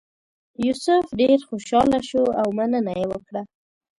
یوسف ډېر خوشاله شو او مننه یې وکړه.